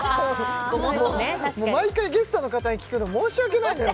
もう毎回ゲストの方に聞くの申し訳ないのよ